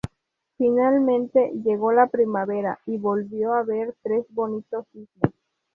Finalmente llegó la primavera y ¡volvió a ver a tres bonitos cisnes!.